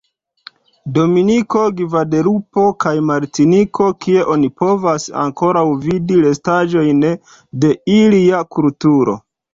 Dominiko, Gvadelupo kaj Martiniko, kie oni povas ankoraŭ vidi restaĵojn de ilia kulturo.